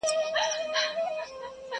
لا یې پخوا دي ورځي سختي نوري!